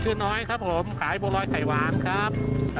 ชื่อน้อยครับผมขายโบรอยไข่หวานครับ